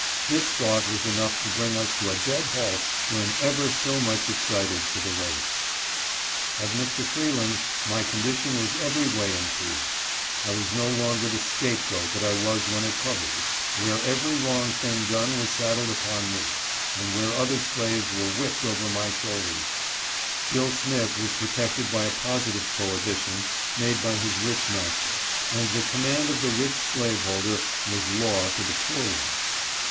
This thought was enough to bring us to a dead halt when ever so much excited for the race. At Mr. Freeland's my condition was every way im proved. I was no longer the scapegoat that I was when at Covey's, where every wrong thing done was saddled upon me, and where other slaves were whipped over my RESTLESS AND DISCONTENTED. 185 shoulders. Bill Smith was protected by a positive pro hibition, made by his rich master (and the command of the rich slaveholder was law to the poor one).